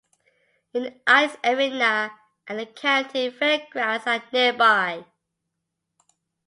An ice arena and the county fairgrounds are nearby.